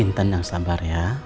intan yang sabar ya